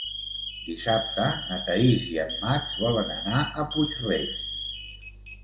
Dissabte na Thaís i en Max volen anar a Puig-reig.